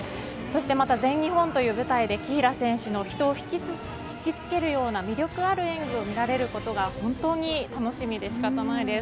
また全日本という舞台で紀平選手の人を引きつけるような魅力ある演技を見られることが本当に楽しみで仕方ないです。